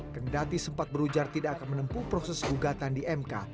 kendati sempat berujar tidak akan menempuh proses gugatan di mk